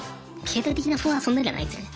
経済的な不安はそんなにはないですね。